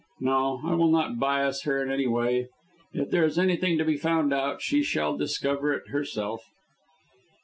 No, I will not bias her in any way. If there is anything to be found out, she shall discover it herself."